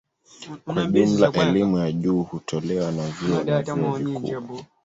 Kwa jumla elimu ya juu hutolewa na vyuo na vyuo vikuu.